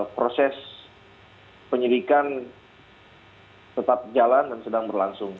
proses penyelidikan tetap jalan dan sedang berlangsung